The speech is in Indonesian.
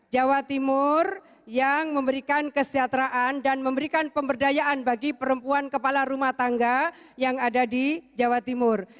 jawa timur yang memberikan kesejahteraan dan memberikan pemberdayaan bagi perempuan kepala rumah tangga yang ada di jawa timur